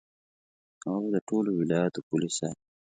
هغه به د ټولو ولایاتو پولې ساتي.